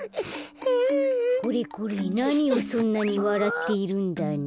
これこれなにをそんなにわらっているんだね？